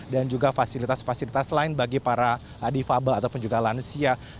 dan juga fasilitas fasilitas lain bagi para difabel ataupun juga lansia